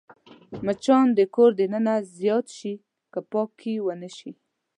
مچان د کور دننه زیات شي که پاکي ونه شي